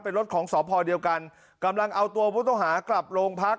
เป็นรถของสพเดียวกันกำลังเอาตัวผู้ต้องหากลับโรงพัก